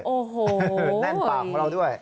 แน่นปากของเราด้วย